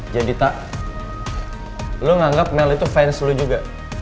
jadi tak lo nganggep mel itu fans lo juga